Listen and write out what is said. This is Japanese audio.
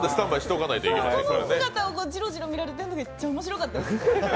その姿をジロジロ見られてるのがめっちゃ面白かったです。